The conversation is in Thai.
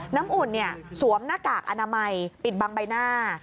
น้ำอุ่นสวมหน้ากากอนามัยปิดบังใบหน้า